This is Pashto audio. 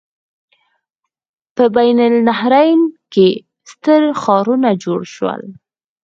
په بین النهرین کې ستر ښارونه جوړ شول.